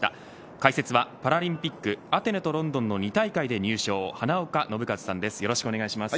解説はパラリンピックアテネとロンドンの２大会で入賞の花岡信一さんです。